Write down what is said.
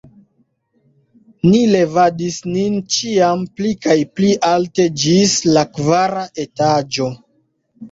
Ni levadis nin ĉiam pli kaj pli alte ĝis la kvara etaĝo.